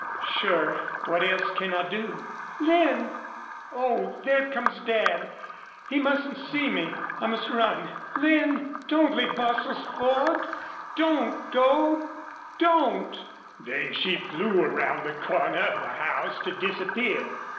"Sure. What else can I do?" "Lin! ... Oh, there comes Dad! He mustn't see me. I must run.... Lin, don't leave Bostil's Ford don't go DON'T!" Then she flew round the corner of the house, to disappear.